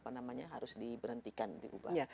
namanya harus diberhentikan diubah